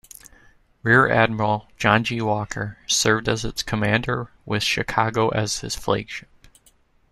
Rear Admiral John G. Walker served as its Commander with "Chicago" as his flagship.